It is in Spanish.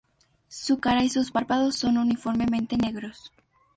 Su cara y sus párpados son uniformemente negros.